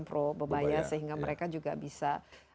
pro bebaya sehingga mereka juga bisa